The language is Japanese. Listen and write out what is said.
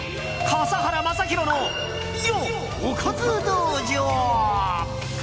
笠原将弘のおかず道場。